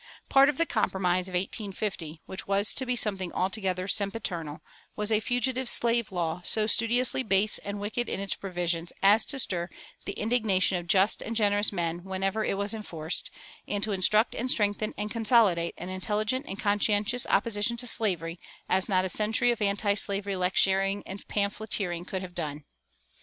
Part of the Compromise of 1850, which was to be something altogether sempiternal, was a Fugitive Slave Law so studiously base and wicked in its provisions as to stir the indignation of just and generous men whenever it was enforced, and to instruct and strengthen and consolidate an intelligent and conscientious opposition to slavery as not a century of antislavery lecturing and pamphleteering could have done.